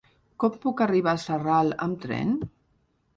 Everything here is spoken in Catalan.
Com puc arribar a Sarral amb tren?